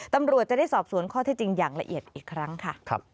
ตำรวจจะได้สอบสวนข้อที่จริงอย่างละเอียดอีกครั้งค่ะ